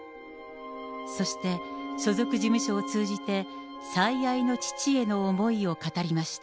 そして、所属事務所を通じて、最愛の父への思いを語りました。